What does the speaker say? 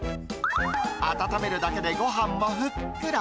温めるだけでごはんもふっくら。